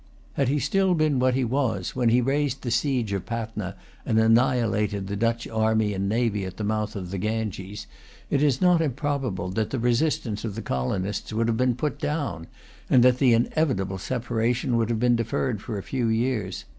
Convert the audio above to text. Had he still been what he was when he raised the siege of Patna and annihilated the Dutch army and navy at the mouth of the Ganges, it is not improbable that the resistance of the colonists would have been put down, and that the inevitable separation would have been deferred for a few years.